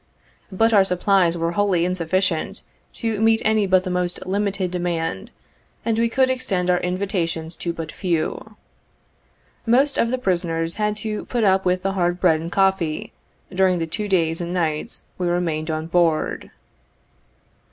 But our supplies were wholly insufficient to meet any but the most limited demand, and we could extend our invitations to but few. Most of the prisoners had to put up with the hard bread and coffee, during the two days and nights we remained on board.